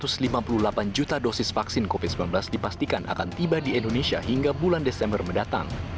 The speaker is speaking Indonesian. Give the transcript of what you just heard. satu ratus lima puluh delapan juta dosis vaksin covid sembilan belas dipastikan akan tiba di indonesia hingga bulan desember mendatang